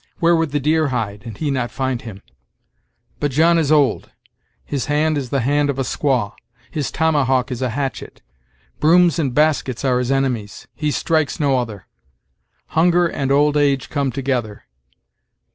Where would the deer hide, and he not find him? But John is old; his hand is the hand of a squaw; his tomahawk is a hatchet; brooms and baskets are his enemies he strikes no other. Hunger and old age come together.